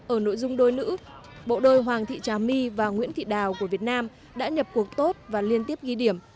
ở nội dung đôi nữ bộ đôi hoàng thị trà my và nguyễn thị đào của việt nam đã nhập cuộc tốt và liên tiếp ghi điểm